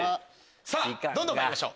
さぁどんどんまいりましょう。